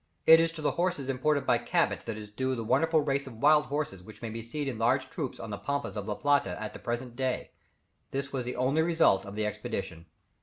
It is to the horses imported by Cabot that is due the wonderful race of wild horses which may be seen in large troops on the pampas of La Plata at the present day; this was the only result of the expedition.